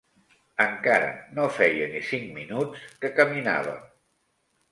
Encara no feia ni cinc minuts que caminàvem